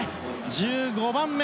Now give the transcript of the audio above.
１５番目。